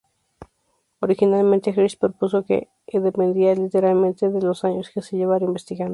Originalmente, Hirsch propuso que h dependía linealmente de los años que se llevara investigando.